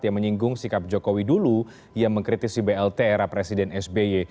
yang menyinggung sikap jokowi dulu yang mengkritisi blt era presiden sby